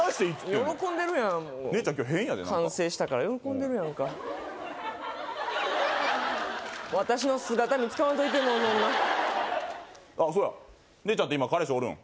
喜んでるやんもう姉ちゃん今日変やで何か完成したから喜んでるやんか私の姿見使わんといてもうあそうだ姉ちゃんって今彼氏おるん？